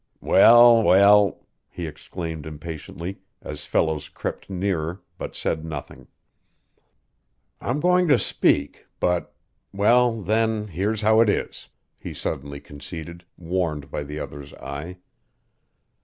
"Well, well!" he exclaimed impatiently, as Fellows crept nearer, but said nothing. "I'm going to speak, but Well, then, here's how it is!" he suddenly conceded, warned by the other's eye.